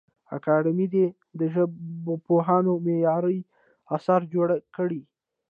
اکاډمي دي د ژبپوهنې معیاري اثار جوړ کړي.